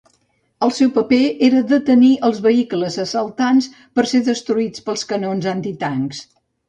El seu paper era detenir els vehicles assaltants per a ser destruïts pels canons antitancs.